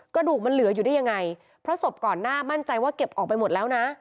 กระดูกมันเหลืออยู่ได้ยังไงเพราะศพก่อนหน้ามั่นใจว่าเก็บออกไปหมดแล้วนะ